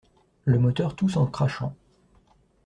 Le moteur tousse en crachant.